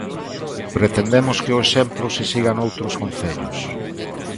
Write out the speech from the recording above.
Pretendemos que o exemplo se siga noutros concellos.